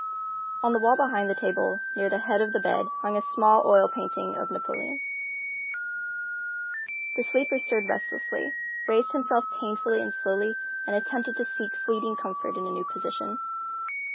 On the wall behind the table, near the head of the bed, hung a small oil painting of Napoleon. The sleeper stirred restlessly, raised himself painfully and slowly, and attempted to seek fleeting comfort in a new position.